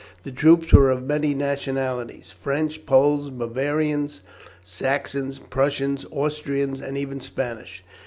The troops were of many nationalities French, Poles, Bavarians, Saxons, Prussians, Austrians, and even Spanish.